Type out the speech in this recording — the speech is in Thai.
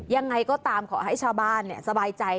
ยังไงก็ตามขอให้ชาวบ้านสบายใจ